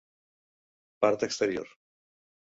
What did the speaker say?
Part exterior: